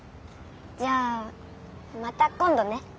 じゃあまた今度ね。